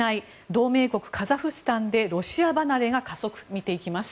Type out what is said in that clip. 同盟国カザフスタンでロシア離れが加速見ていきます。